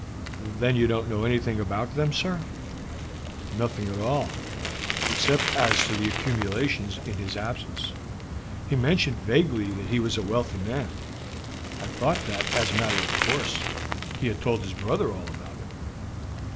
"Then you don't know anything about them, sir?" "Nothing at all, except as to the accumulations in his absence. He mentioned vaguely that he was a wealthy man. I thought that, as a matter of course, he had told his brother all about it."